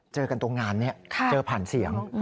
เจอกันตรงงานนี้เจอผ่านเสียง